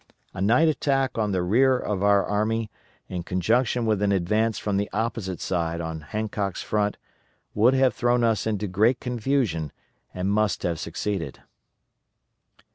A night attack on the rear of our army, in conjunction with an advance from the opposite side on Hancock's front, would have thrown us into great confusion and must have succeeded.